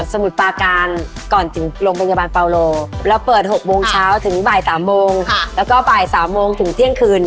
มุดปาการก่อนถึงโรงพยาบาลเปาโลเราเปิด๖โมงเช้าถึงบ่าย๓โมงแล้วก็บ่าย๓โมงถึงเที่ยงคืน